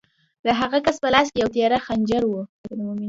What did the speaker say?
د هغه کس په لاس کې یو تېره خنجر و